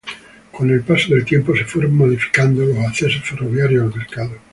Con el paso del tiempo se fueron modificando los accesos ferroviarios al Mercado.